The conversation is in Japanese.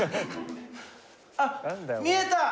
あ見えた！